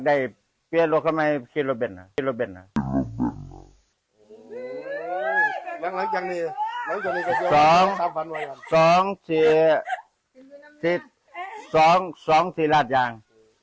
ลาทยางเท่านั้นเนี่ยครับ